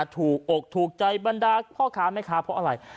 ถูกอกถูกใจบรรดาพ่อค้าแม่ค้าเพราะอะไร